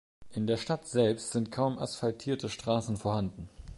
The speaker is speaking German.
In der Stadt selbst sind kaum asphaltierte Straßen vorhanden.